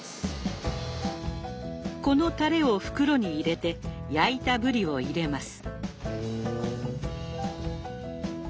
このタレを袋に入れて焼いたブリを入れます。